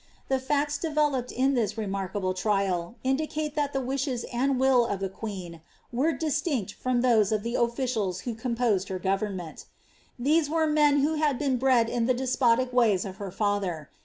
The facts developed in this re markable trial indicate that the wishes and will of the queen were dis tinct from those of the officials who composed her government. These were men who had been bred in the despotic ways of her father.